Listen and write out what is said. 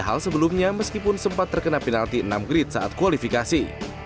hal sebelumnya meskipun sempat terkena penalti enam grid saat kualifikasi